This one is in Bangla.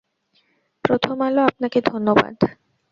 প্রথম আলো আপনাকে ধন্যবাদ।